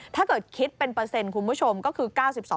ถ้าเกิดคิดเป็นเปอร์เซ็นต์คุณผู้ชมก็คือ๙๒